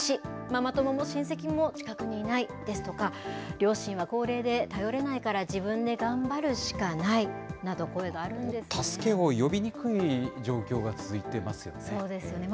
ママ友も親戚も近くにいないですとか、両親は高齢で頼れないから、自分で頑張るしかないなど、声があるんで助けを呼びにくい状況が続いそうですね。